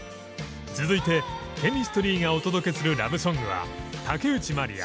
続いてＣＨＥＭＩＳＴＲＹがお届けするラブソングは竹内まりや